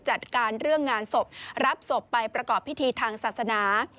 จัดการเรื่องงานศพรับศพไปประกอบพิธีทางศาสนา